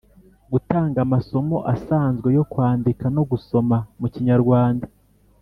gutanga amasomo asanzwe yo kwandika no gusoma mu Kinyarwanda